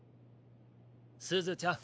すずちゃん。